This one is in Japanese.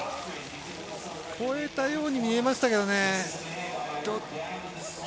越えたように見えましたけどね。